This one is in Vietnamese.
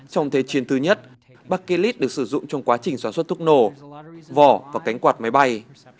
trong thế chiến thứ nhất bakelite được sử dụng trong quá trình xóa xuất thuốc nổ vỏ và cánh quạt máy bay